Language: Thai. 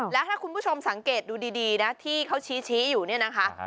แล้วถ้าคุณผู้ชมสังเกตดูดีนะที่เขาชี้อยู่เนี่ยนะคะ